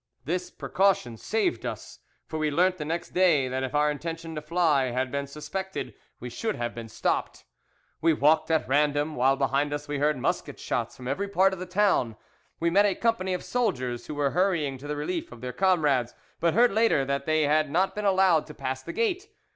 This precaution saved us, for we learned the next day that if our intention to fly had been suspected we should have been stopped. "We walked at random, while behind us we heard musket shots from every part of the town. We met a company of soldiers who were hurrying to the relief of their comrades, but heard later that they had not been allowed to pass the gate.